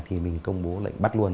thì mình công bố lệnh bắt luôn